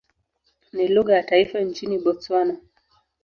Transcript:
Ni lugha ya taifa nchini Botswana.